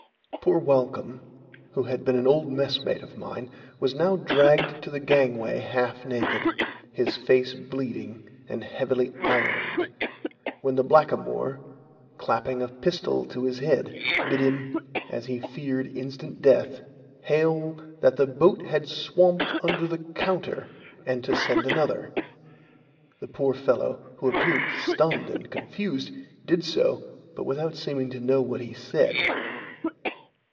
Poor Walcolm, who had been an old messmate of mine, was now dragged to the gangway half naked, his face bleeding, and heavily ironed, when the blackamoor, clapping a pistol to his head, bid him, as he feared instant death, hail "that the boat had swamped under the counter, and to send another." The poor fellow, who appeared stunned and confused, did so, but without seeming to know what he said.